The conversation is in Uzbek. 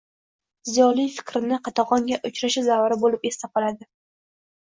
ziyoli fikrni qatag‘onga uchrashi davri bo‘lib esda qoladi.